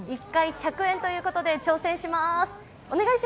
１回１００円ということで挑戦しまーす。